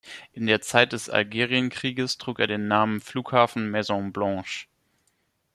In der Zeit des Algerienkrieges trug er den Namen Flughafen Maison Blanche.